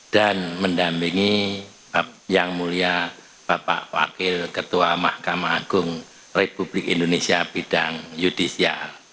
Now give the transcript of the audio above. dan mendampingi yang mulia bapak wakil ketua makam agung republik indonesia bidang yudisial